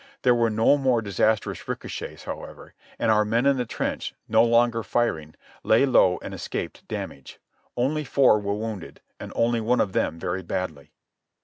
There were no more disastrous ricochets, however; and our men in the trench, no longer firing, lay low and escaped damage. Only four were wounded, and only one of them very badly.